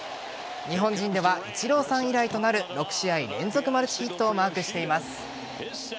日本人ではイチローさん以来となる６試合連続マルチヒットをマークしています。